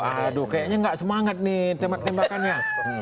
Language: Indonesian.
aduh kayaknya nggak semangat nih tembak tembakannya